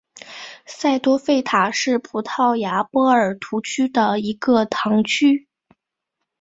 塞多费塔是葡萄牙波尔图区的一个堂区。